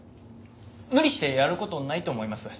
無理してやることないと思います。